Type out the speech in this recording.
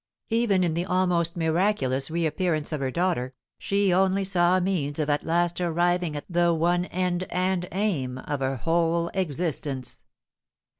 Even in the almost miraculous reappearance of her daughter, she only saw a means of at last arriving at the one end and aim of her whole existence.